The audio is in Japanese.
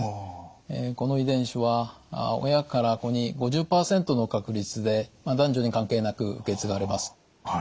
この遺伝子は親から子に５０％の確率で男女に関係なく受け継がれます。